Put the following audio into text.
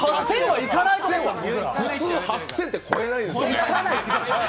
普通８０００って超えないですよね。